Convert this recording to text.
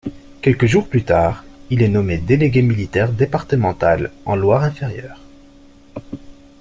Quelques jours plus tard, il est nommé Délégué militaire départemental en Loire-inférieure.